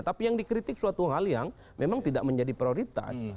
tapi yang dikritik suatu hal yang memang tidak menjadi prioritas